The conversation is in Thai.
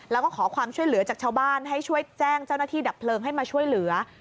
แล้วก็ขอความช่วยเหลือจากชาวบ้านให้ช่วยแจ้งเจ้าหน้าที่ดับเพลิงให้มาช่วยเหลือ